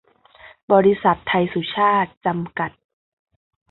บริษัท ไทยสุชาต จำกัด